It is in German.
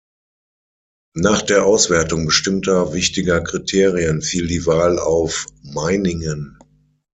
Nach der Auswertung bestimmter wichtiger Kriterien fiel die Wahl auf Meiningen.